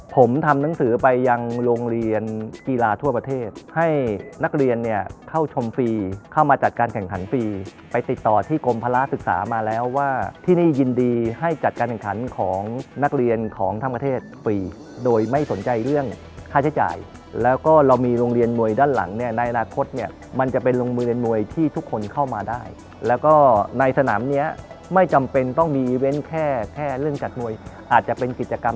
ผมทำหนังสือไปยังโรงเรียนกีฬาทั่วประเทศให้นักเรียนเนี้ยเข้าชมฟรีเข้ามาจัดการแข่งขันฟรีไปติดต่อที่กรมภาระศึกษามาแล้วว่าที่นี่ยินดีให้จัดการแข่งขันของนักเรียนของท่ามประเทศฟรีโดยไม่สนใจเรื่องค่าใช้จ่ายแล้วก็เรามีโรงเรียนมวยด้านหลังเนี้ยในอนาคตเนี้ยมันจะเป็นโร